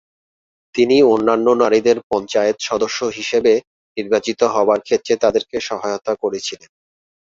তিনি অন্যান্য নারীদের পঞ্চায়েত সদস্য হিসেবে নির্বাচিত হবার ক্ষেত্রে তাদেরকে সহায়তা করেছিলেন।